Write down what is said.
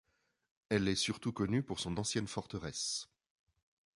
Elle est surtout connue pour son ancienne forteresse.